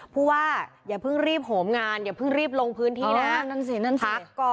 พูดว่าจะรีบห่มงานอย่ารีบมาหายไม้